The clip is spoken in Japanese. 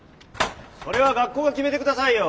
それは学校が決めて下さいよ。